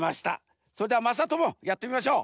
それではまさともやってみましょう！